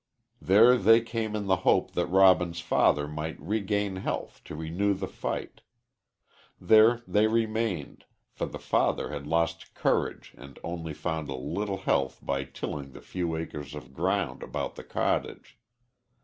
There they came in the hope that Robin's father might regain health to renew the fight. There they remained, for the father had lost courage and only found a little health by tilling the few acres of ground about the cottage.